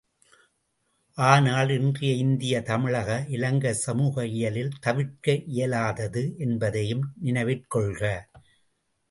ஆனால், இன்றைய இந்திய தமிழக இலங்கைச் சமூக இயலில் தவிர்க்க இயலாதது என்பதையும் நினைவிற்கொள்க.